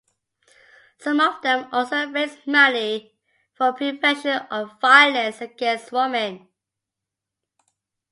Some of them also raise money for prevention of violence against women.